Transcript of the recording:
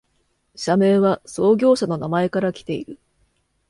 社名は創業者の名前からきている